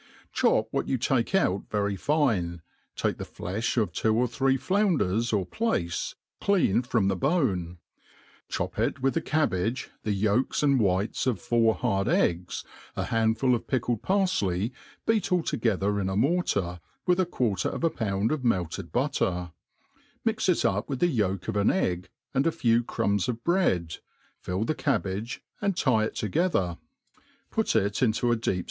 Chop what you take out very fine, take theflefli of two or three floun* ders or plaife, clean from the bone; chop it with the' cabbage, the yolks and whites of four hard eggs, a handful of pickled parfley, beat all together in a mortar, with a quarter of a pound of melted buttec ; mix it up with the yolk of an egg, and a few crumbs of bread, fill the cabbage, and tie it together, put it into 7 a deep MAbE Ph Ml^ ANi) EASY.